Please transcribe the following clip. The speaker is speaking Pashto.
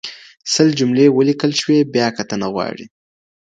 سل جملې وليکل شوې، بيا کتنه غواړي.